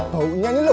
bau ini lu